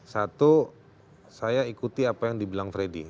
satu saya ikuti apa yang dibilang freddy